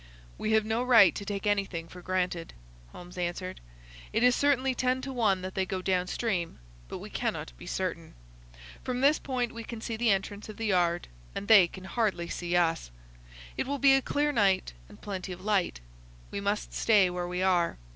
"We have no right to take anything for granted," Holmes answered. "It is certainly ten to one that they go down stream, but we cannot be certain. From this point we can see the entrance of the yard, and they can hardly see us. It will be a clear night and plenty of light. We must stay where we are.